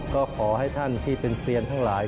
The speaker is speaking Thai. ก็ขอให้ท่านที่เป็นเซียนทั้งหลาย